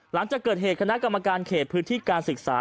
หลังจากเกิดเหตุคณะกรรมการเขตพื้นที่การศึกษา